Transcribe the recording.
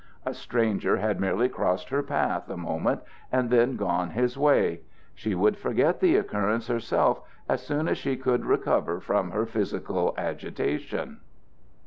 A stranger had merely crossed her path a moment and then gone his way. She would forget the occurrence herself as soon as she could recover from her physical agitation.